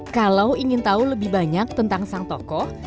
kalau ingin tahu lebih banyak tentang sang tokoh